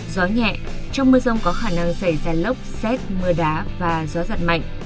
gió nhẹ trong mưa rông có khả năng xảy ra lốc xét mưa đá và gió giật mạnh